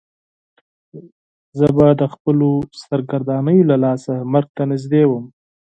زه به د خپلو سرګردانیو له لاسه مرګ ته نږدې وم.